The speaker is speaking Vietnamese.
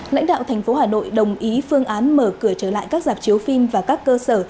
lãnh đạo tp hà nội đồng ý phương án mở cửa trở lại các giạc chiếu phim và các cơ sở